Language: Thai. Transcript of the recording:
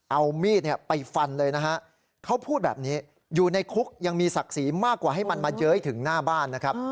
เอามีดไปฟันเลยนะฮะเขาพูดแบบนี้อยู่ในคุกยังมีศักดิ์ศรีมากกว่าให้มันมาเย้ยถึงหน้าบ้านนะครับ